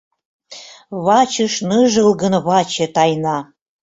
Вачыш ныжылгын ваче тайна.